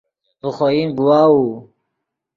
ڤے خوئن گواؤو